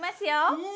うん！